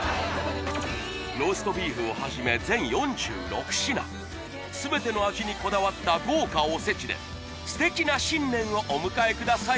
ローストビーフをはじめ全４６品全ての味にこだわった豪華おせちで素敵な新年をお迎えください